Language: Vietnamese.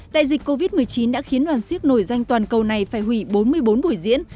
đại dịch covid một mươi chín đã khiến đoàn siếc nổi danh toàn cầu này phải hủy bốn mươi bốn buổi diễn